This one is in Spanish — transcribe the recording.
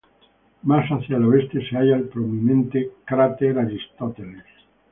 Más hacia el oeste se halla el prominente cráter Aristóteles.